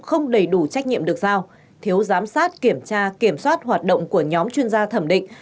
không đầy đủ trách nhiệm được giao thiếu giám sát kiểm tra kiểm soát hoạt động của nhóm chuyên gia thẩm định